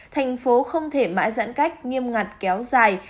thành phố không thể mãi giãn cách nghiêm ngặt kéo dài